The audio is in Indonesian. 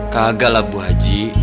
kagaklah bu haji